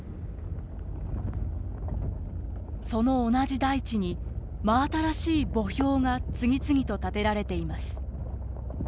その同じ大地に真新しい墓標が次々と立てられています。